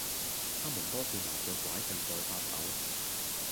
她們多是拿著柺杖在發抖